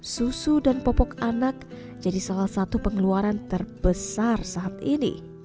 susu dan popok anak jadi salah satu pengeluaran terbesar saat ini